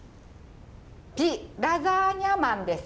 ピ・ラザーニャ・マンです。